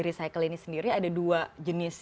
recycle ini sendiri ada dua jenis